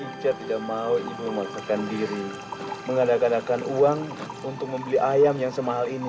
saya tidak mau ibu memaksakan diri mengadakan uang untuk membeli ayam yang semahal ini